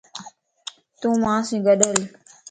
تون مان سين گڏھل